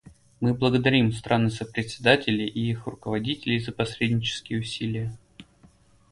Мы благодарим страны-сопредседатели и их руководителей за посреднические усилия.